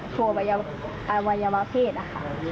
โชว์วัยวเผศค่ะ